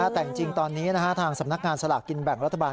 แต่จริงตอนนี้ทางสำนักงานสลากกินแบ่งรัฐบาล